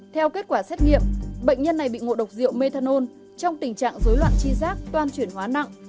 theo kết quả xét nghiệm bệnh nhân này bị ngộ độc rượu methanol trong tình trạng dối loạn chi giác toan chuyển hóa nặng